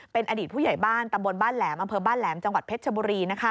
เป็นอดีตผู้ใหญ่บ้านตำบลบ้านแหลมอำเภอบ้านแหลมจังหวัดเพชรชบุรี